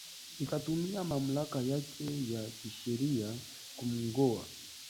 ikatumia mamlaka yake ya kisheria kumngoa